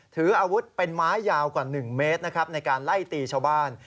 ถืออาวุธเป็นไม้ยาวกว่า๑เมตรนะครับในการไล่ตีชาวบ้าน